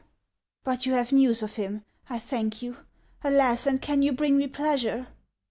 " But you liuve news of him. I thank you. Alas ! and can you bring me pleasure ?